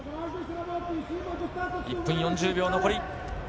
１分４０秒残り。